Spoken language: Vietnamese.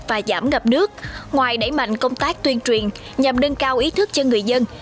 và giảm ngập nước ngoài đẩy mạnh công tác tuyên truyền nhằm nâng cao ý thức cho người dân